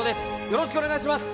よろしくお願いします